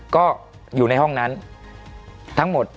ก็อยู่ในห้องนั้นทั้งหมด